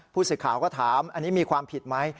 ผู้สื่อข่าวก็ถามอันนี้มีความผิดไหม